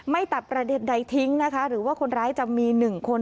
ไม่ตัดประเด็นใดทิ้งหรือว่าคนร้ายจะมีหนึ่งคน